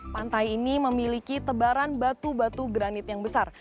pantai ini memiliki tebaran batu batu granit yang besar